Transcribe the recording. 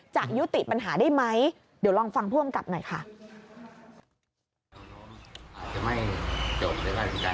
จะยุติปัญหาได้ไหมเดี๋ยวลองฟังผู้อำกับหน่อยค่ะ